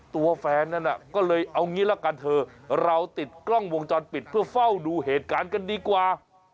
ตัวแฟนนั้นก็เลยเอางี้ละกันเธอเราติดกล้องวงจรปิดเพื่อเฝ้าดูเหตุการณ์กันดีกว่า